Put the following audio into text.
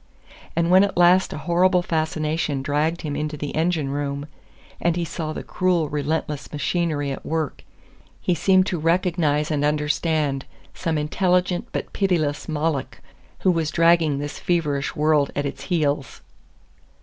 And when at last a horrible fascination dragged him into the engine room, and he saw the cruel relentless machinery at work, he seemed to recognize and understand some intelligent but pitiless Moloch, who was dragging this feverish world at its heels.